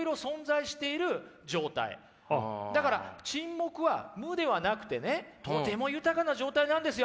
だから沈黙は無ではなくてねとても豊かな状態なんですよ。